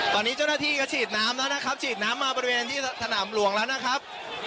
ตอนนี้เจ้าหน้าที่ก็ฉีดน้ำแล้วนะครับฉีดน้ำมาบริเวณที่สนามหลวงแล้วนะครับ